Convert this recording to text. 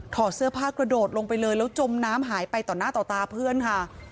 เสื้อผ้ากระโดดลงไปเลยแล้วจมน้ำหายไปต่อหน้าต่อตาเพื่อนค่ะ